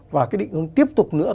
và cái định hướng tiếp tục nữa